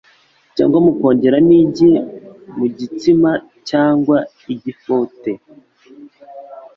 cyangwa mukongeramo igi mu gitsima cyangwa igifote.